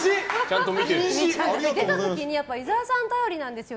出たときに伊沢さん頼りなんですよ。